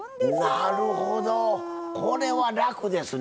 なるほどこれは楽ですな。